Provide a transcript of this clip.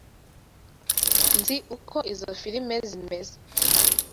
Nzi uko izo firime zimeze.